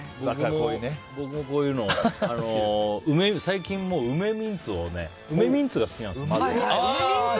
僕もこういうの、最近梅ミンツが好きなんです。